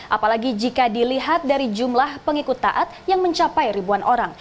apalagi jika dilihat dari jumlah pengikut taat yang mencapai ribuan orang